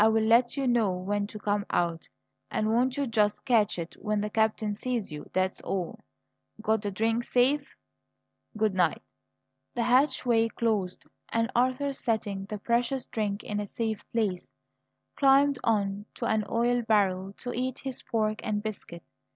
I'll let you know when to come out. And won't you just catch it when the captain sees you that's all! Got the drink safe? Good night!" The hatchway closed, and Arthur, setting the precious "drink" in a safe place, climbed on to an oil barrel to eat his pork and biscuit.